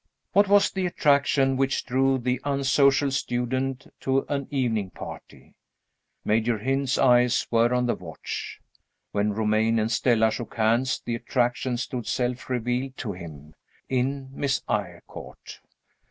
What was the attraction which drew the unsocial student to an evening party? Major Hynd's eyes were on the watch. When Romayne and Stella shook hands, the attraction stood self revealed to him, in Miss Eyrecourt.